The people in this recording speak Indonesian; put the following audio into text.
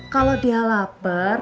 kalau dia lapar